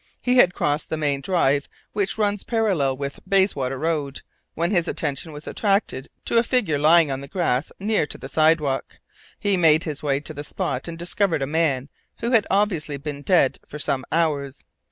He had crossed the main drive which runs parallel with the Bayswater Road, when his attention was attracted to a figure lying on the grass near to the sidewalk. He made his way to the spot and discovered a man, who had obviously been dead for some hours.